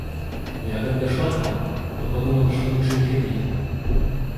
Я когда шла к вам, то подумала, что лучше не ходить.